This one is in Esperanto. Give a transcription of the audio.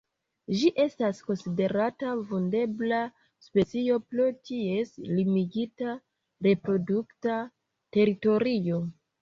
Ĝi estas konsiderata vundebla specio pro ties limigita reprodukta teritorio.